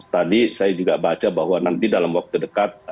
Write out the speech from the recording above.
tadi saya juga baca bahwa nanti dalam waktu dekat